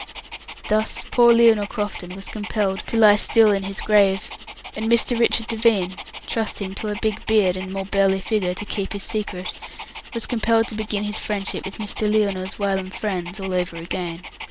Thus poor Lionel Crofton was compelled to lie still in his grave, and Mr. Richard Devine, trusting to a big beard and more burly figure to keep his secret, was compelled to begin his friendship with Mr. Lionel's whilom friends all over again.